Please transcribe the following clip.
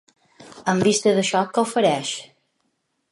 En vista d’això que ofereix?